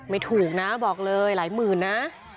ไม่ถูกนะบอกเลยหลายหมื่นนะ